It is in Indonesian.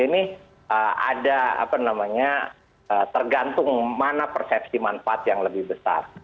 ini ada apa namanya tergantung mana persepsi manfaat yang lebih besar